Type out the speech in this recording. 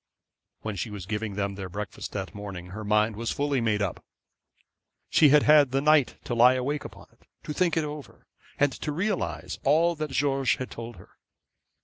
When she was giving them their breakfast that morning her mind was fully made up. She had had the night to lie awake upon it, to think it over, and to realise all that George had told her.